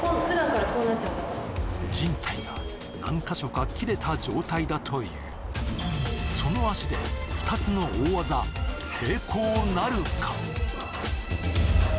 じん帯が何カ所か切れた状態だというその足で２つの大技成功なるか？